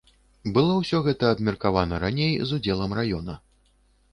Было ўсё гэта абмеркавана раней з удзелам раёна.